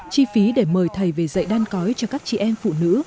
chi phí để mời thầy về dạy đan cói cho các chị em phụ nữ